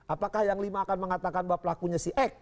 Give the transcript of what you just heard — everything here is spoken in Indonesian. apakah yang lima akan mengatakan bahwa pelakunya si x